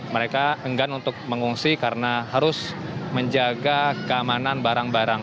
mereka enggan untuk mengungsi karena harus menjaga keamanan barang barang